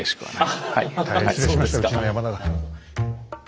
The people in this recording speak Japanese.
大変失礼しましたうちの山田が。